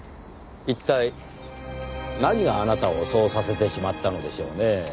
一体何があなたをそうさせてしまったのでしょうねぇ。